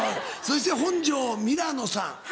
そして本上みらのさん。